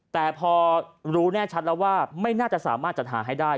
แต่พอรู้แน่ชัดแล้วว่าไม่น่าจะสามารถจัดหาให้ได้